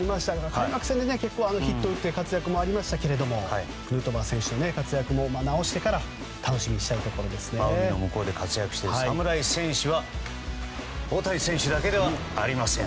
開幕戦でヒットを打って活躍もありましたけれどもヌートバー選手の活躍も海の向こうで活躍している侍選手は大谷選手だけではありません。